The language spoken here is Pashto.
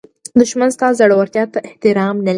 دښمن ستا زړورتیا ته احترام نه لري